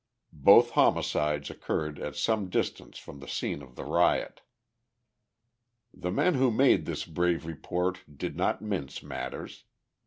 Both homicides occurred at some distance from the scene of the riot. The men who made this brave report did not mince matters.